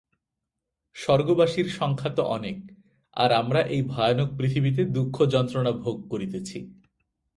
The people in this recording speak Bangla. স্বর্গবাসীর সংখ্যা তো অনেক, আর আমরা এই ভয়ানক পৃথিবীতে দুঃখযন্ত্রণা ভোগ করিতেছি।